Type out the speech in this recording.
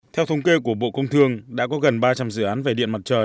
theo thống kê của bộ công thương đã có gần ba trăm linh dự án về điện mặt trời